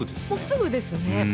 すぐですね。